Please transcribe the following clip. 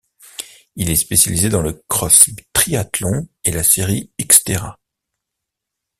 Il est spécialisé dans le cross triathlon et la série Xterra.